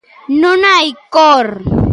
Non hai cor.